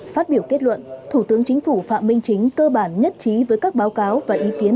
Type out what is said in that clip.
phát biểu kết luận thủ tướng chính phủ phạm minh chính cơ bản nhất trí với các báo cáo và ý kiến